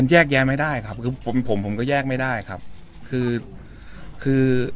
แยกแยะไม่ได้ครับคือผมผมผมก็แยกไม่ได้ครับคือคือ